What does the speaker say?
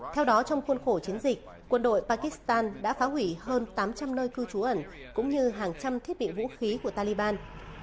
theo đó trong khuôn khổ chiến dịch quân đội pakistan đã phá hủy hơn tám trăm linh nơi cư trú ẩn cũng như hàng trăm thiết bị vũ khí của taliban